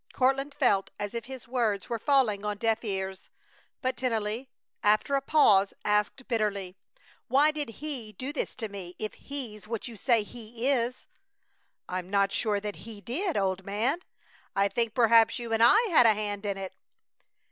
Courtland felt as if his words were falling on deaf ears, but Tennelly, after a pause, asked, bitterly: "Why did He do this to me, if He's what you say He is?" "I'm not sure that He did, old man! I think perhaps you and I had a hand in it!"